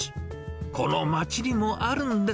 この街にもあるんです。